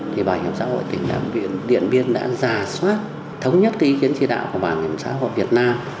thì bảo hiểm xã hội tỉnh đàm viện điện biên đã giả soát thống nhất cái ý kiến chỉ đạo của bảo hiểm xã hội việt nam